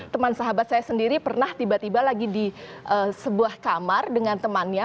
teman sahabat saya sendiri pernah tiba tiba lagi di sebuah kamar dengan temannya